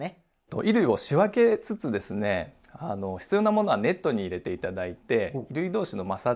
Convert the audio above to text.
衣類を仕分けつつですね必要なものはネットに入れて頂いて衣類同士の摩擦